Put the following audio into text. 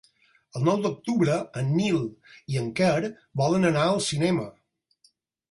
El nou d'octubre en Nil i en Quer volen anar al cinema.